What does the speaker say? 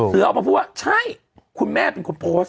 ออกมาพูดว่าใช่คุณแม่เป็นคนโพสต์